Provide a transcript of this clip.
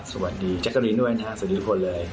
สวัสดีแจ๊คโกรีนด้วยนะครับสวัสดีทุกคนเลย